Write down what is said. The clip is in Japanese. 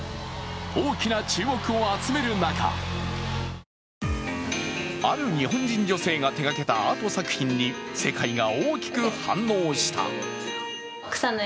大きな注目を集める中、ある日本人女性が手がけたアート作品に世界が大きく反応した。